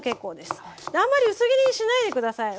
あんまり薄切りにしないで下さい。